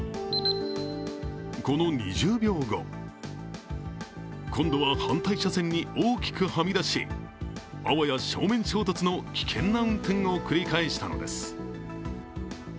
この２０秒後、今度は反対車線に大きくはみ出しあわや正面衝突の危険な運転を繰り返したのです。